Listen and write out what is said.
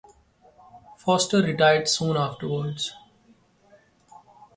Foster retired soon afterwards.